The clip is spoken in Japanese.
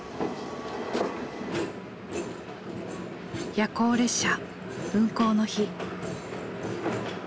夜行列車運行の日。